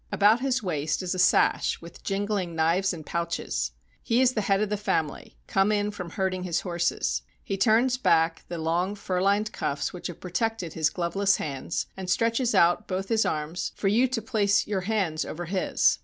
About his waist is a sash with jingling knives and pouches. He is the head of the fam ily, come in from herding his horses. He turns back the long fur lined cuffs which have protected his gloveless hands, and stretches out both his arms for you to place 193 RUSSIA your hands over his.